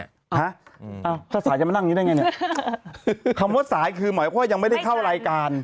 ฮะอ้าวถ้าสายจะมานั่งอย่างงี้ได้ไงเนี่ยคำว่าสายคือหมายความว่ายังไม่ได้เข้ารายการ